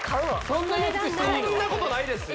こんなことないです